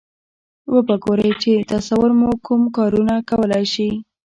و به ګورئ چې تصور مو کوم کارونه کولای شي.